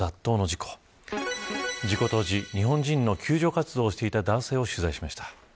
事故当時、日本人の救助活動をしていた男性を取材しました。